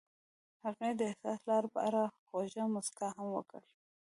هغې د حساس لاره په اړه خوږه موسکا هم وکړه.